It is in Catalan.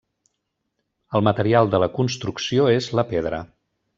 El material de la construcció és la pedra.